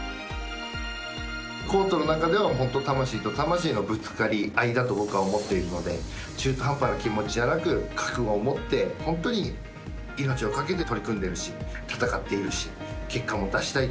コートの中では本当に魂と魂のぶつかり合いだと僕は思っているので中途半端な気持ちじゃなく覚悟を持って、本当に命を懸けて取り組んでるし、戦っているし結果も出したい。